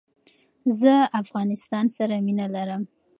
زه افغانستان سر مینه لرم